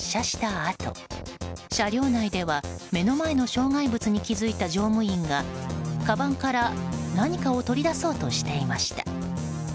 あと車両内では、目の前の障害物に気付いた乗務員がかばんから何かを取り出そうとしていました。